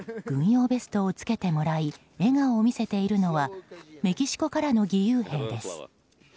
軍用ベストを着けてもらい笑顔を見せているのはメキシコからの義勇兵です。